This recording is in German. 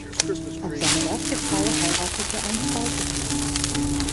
Auch seine erste Frau heiratete ein zweites Mal.